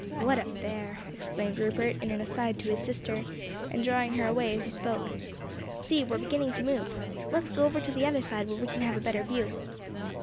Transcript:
"'What a bear!" exclaimed Rupert in an aside to his sister, and drawing her away as he spoke. "See, we're beginning to move. Let's go over to the other side where we can have a better view."